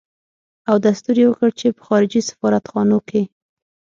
او دستور يې ورکړ چې په خارجي سفارت خانو کې.